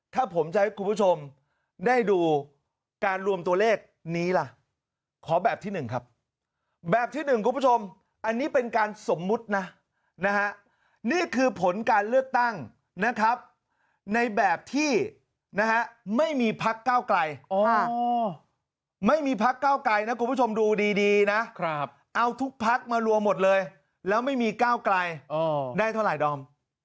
ถ้าผมจะให้คุณผู้ชมได้ดูการรวมตัวเลขนี้ล่ะขอแบบที่๑ครับแบบที่๑คุณผู้ชมอันนี้เป็นการสมมุตินะนะฮะนี่คือผลการเลือกตั้งนะครับในแบบที่นะฮะไม่มีพักเก้าไกลไม่มีพักเก้าไกลนะคุณผู้ชมดูดีนะเอาทุกพักมารวมหมดเลยแล้วไม่มีก้าวไกลได้เท่าไหร่ดอม